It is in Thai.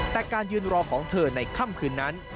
แต่การยืนรอของเธอในค่ำคืนนั้น